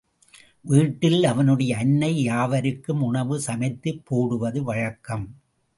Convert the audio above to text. வீட்டில் அவனுடைய அன்னை யாவருக்கும் உணவு சமைத்துப் போடுவது வழக்கம்.